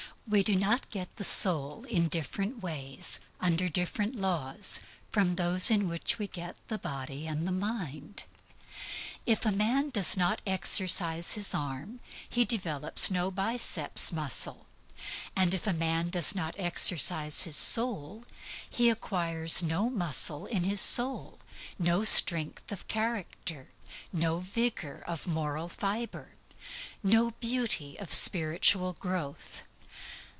We do not get the soul in different ways, under different laws, from those in which we get the body and the mind. If a man does not exercise his arm he develops no biceps muscle; and if a man does not exercise his soul, he acquires no muscle in his soul, no strength of character, no vigor of moral fibre, no beauty of spiritual growth.